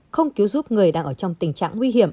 không cứu giúp người đang ở trong tình trạng nguy hiểm